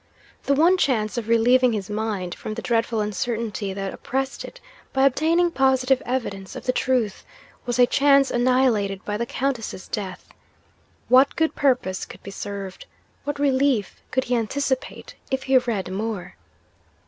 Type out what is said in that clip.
The one chance of relieving his mind from the dreadful uncertainty that oppressed it, by obtaining positive evidence of the truth, was a chance annihilated by the Countess's death. What good purpose could be served, what relief could he anticipate, if he read more?